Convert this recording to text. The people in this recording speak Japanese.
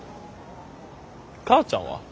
母ちゃんは？